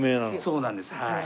そうなんですはい。